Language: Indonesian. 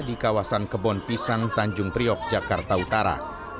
di kawasan kebon pisang tanjung priok jakarta utara